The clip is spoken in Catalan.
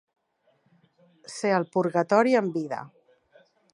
Ser el purgatori en vida.